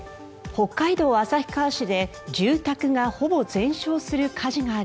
北海道旭川市で住宅がほぼ全焼する火事があり